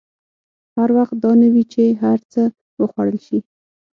هر وخت دا نه وي چې هر څه وخوړل شي.